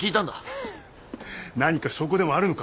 フッ何か証拠でもあるのか？